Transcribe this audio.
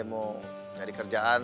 mau cari kerjaan